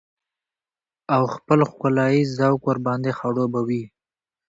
او خپل ښکلاييز ذوق ورباندې خړوبه وي.